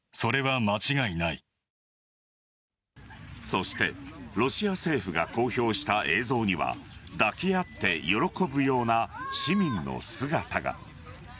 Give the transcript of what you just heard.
そしてロシア政府が公表した映像には抱き合って喜ぶような市民の姿が。